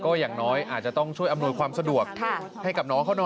ก็อย่างน้อยอาจจะต้องช่วยอำนวยความสะดวก